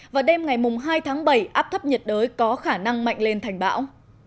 và đêm ngày hai tháng bảy áp thấp nhiệt đới có khả năng mạnh lên thành bão